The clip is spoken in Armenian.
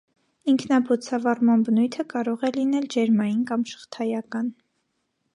Ինքնաբոցավառման բնույթը կարող է լինել ջերմային կամ շղթայական։